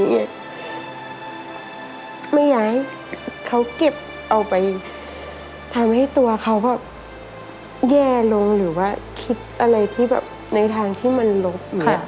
ไม่อยากให้เขาเก็บเอาไปทำให้ตัวเขาแบบแย่ลงหรือว่าคิดอะไรที่แบบในทางที่มันลบค่ะ